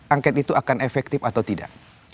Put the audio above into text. angket itu akan efektif atau tidak